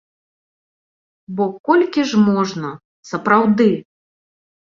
Бо колькі ж можна, сапраўды?